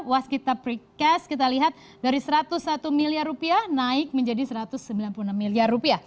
waskita precast kita lihat dari rp satu ratus satu miliar naik menjadi rp satu ratus sembilan puluh enam miliar